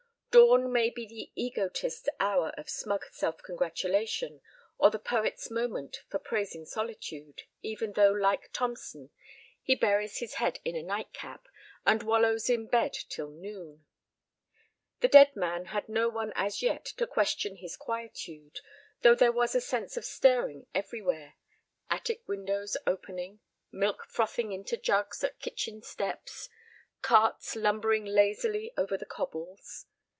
Dawn may be the egotist's hour of smug self congratulation, or the poet's moment for praising solitude, even though like Thomson he buries his head in a nightcap, and wallows in bed till noon. The dead man had no one as yet to question his quietude, though there was a sense of stirring everywhere—attic windows opening, milk frothing into jugs at kitchen steps, carts lumbering lazily over the cobbles.